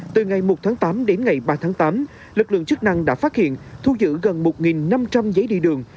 từ ngày một tháng tám đến ngày ba tháng tám lực lượng chức năng đã phát hiện thu giữ gần một năm trăm linh giấy đi đường